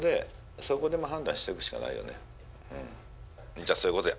じゃあそういうことや。